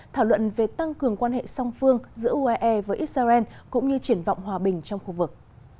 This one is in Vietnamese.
thảo luận về tăng cường quan hệ song phương giữa uae với israel cũng như triển vọng hòa bình trong khu vực